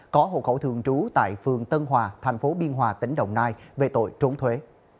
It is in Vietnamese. có hồ khẩu thường trú tại phường tân hòa tp biên hòa tỉnh đồng nai về tội trốn thuế